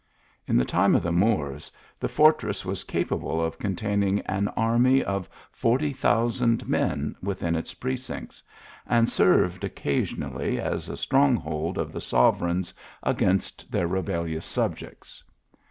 In the time of the Moors, the fortress was capa ble Gf containing an army of forty thousand men within its precincts, and served occasionally as a atrong hold of the sovereigns against their rebel lious subjects.